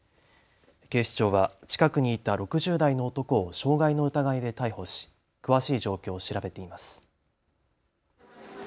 警視庁は近くにいた６０代の男を傷害の疑いで逮捕し詳しい状況を調べています。